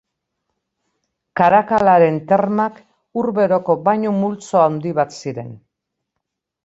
Karakalaren Termak ur beroko bainu multzo handi bat ziren.